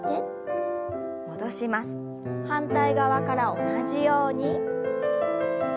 反対側から同じように。